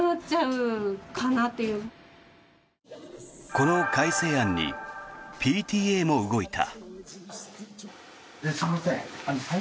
この改正案にＰＴＡも動いた。